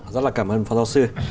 rất là cảm ơn phó giáo sư